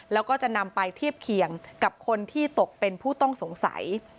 แล้วก็จะนำไปเทียบเคียงกับคนที่ตกเป็นผู้ต้องสงสัย